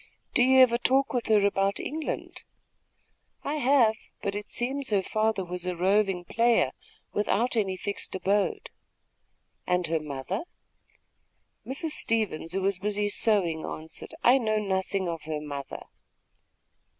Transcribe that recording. "Do you ever talk with her about England?" "I have; but it seems her father was a roving player, without any fixed abode." "And her mother?" Mrs. Stevens, who was busy sewing, answered: "I know nothing of her mother."